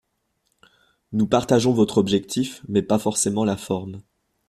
Nous partageons votre objectif, mais pas forcément la forme.